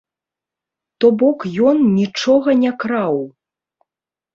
То бок ён нічога не краў.